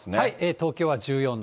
東京は１４度。